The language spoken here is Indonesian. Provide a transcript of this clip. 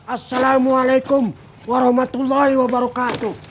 assalamualaikum warahmatullahi wabarakatuh